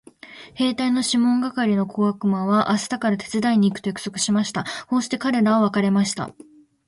兵隊のシモン係の小悪魔は明日から手伝いに行くと約束しました。こうして彼等は別れました。